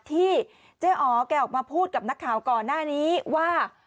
ที่เจ๊อ๋อแกออกมาพูดกับนักข่าวก่อนหน้านี้ว่า